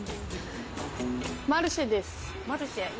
マルシェです。